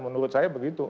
menurut saya begitu